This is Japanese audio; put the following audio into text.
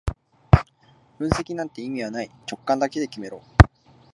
分析なんて意味はない、直感だけで決めろ